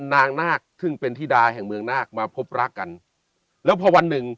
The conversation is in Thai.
นาคซึ่งเป็นธิดาแห่งเมืองนาคมาพบรักกันแล้วพอวันหนึ่ง